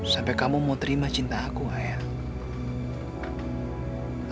sampai kamu mau terima cinta aku ayah